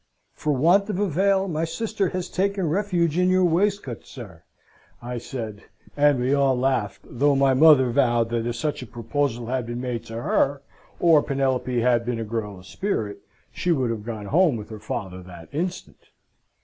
For want of a veil my sister has taken refuge in your waistcoat, sir,' I said, and we all laughed; though my mother vowed that if such a proposal had been made to her, or Penelope had been a girl of spirit, she would have gone home with her father that instant.